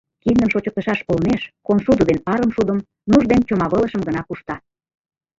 Киндым шочыктышаш олмеш коншудо ден арымшудым, нуж ден чомавылышым гына кушта.